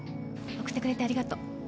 送ってくれてありがとう。